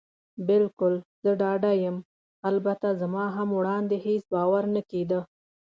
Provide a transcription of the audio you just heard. بلکل، زه ډاډه یم. البته زما هم وړاندې هېڅ باور نه کېده.